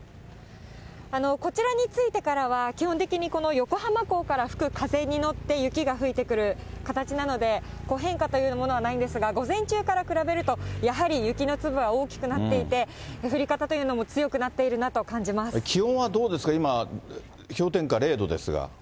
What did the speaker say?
こちらに着いてからは、基本的に横浜港から吹く風に乗って雪が吹いてくる形なので、変化というものはないんですが、午前中から比べると、やはり雪の粒は大きくなっていて、降り方というのも強くなっている気温はどうですか？